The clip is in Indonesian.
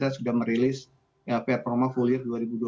sudah merilis performa full year dua ribu dua puluh